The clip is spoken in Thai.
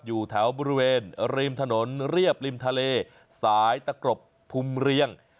อยู่แถวบริเวณริมถนนเรียบริมทะเลสายตะกรบพุมเรียง